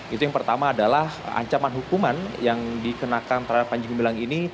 itu yang pertama adalah ancaman hukuman yang dikenakan terhadap panji gumilang ini